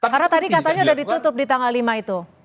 karena tadi katanya sudah ditutup di tanggal lima itu